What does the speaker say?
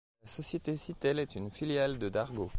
La société Citel est une filiale de Dargaud.